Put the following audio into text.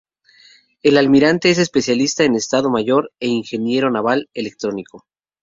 El Almirante es especialista en Estado Mayor e Ingeniero Naval Electrónico.